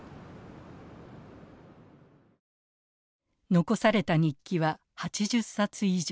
残された日記は８０冊以上。